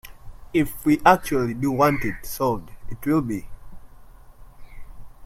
If we actually do want it solved, it will be.